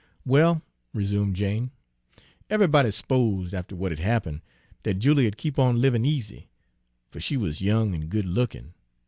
"Well," resumed Jane, "eve'ybody s'posed, after w'at had happen', dat Julia'd keep on livin' easy, fer she wuz young an' good lookin'.